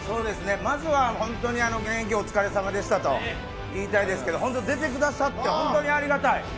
まずは本当に現役お疲れさまでしたと言いたいですけれども出てくださって、本当にありがたい。